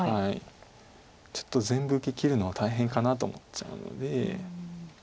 ちょっと全部受けきるのは大変かなと思っちゃうので。